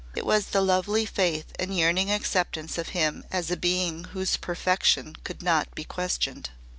It was the lovely faith and yearning acceptance of him as a being whose perfection could not be questioned.